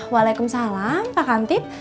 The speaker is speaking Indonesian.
waalaikumsalam pak kantip